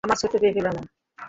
আমার ছোট্ট প্যাপিলন!